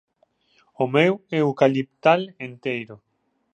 O meu eucaliptal enteiro.